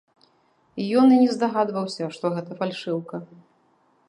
Ён і не здагадваўся, што гэта фальшыўка.